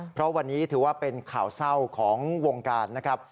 เพราะวันนี้ถือว่าเป็นข่าวเศร้าของวงการนะครับ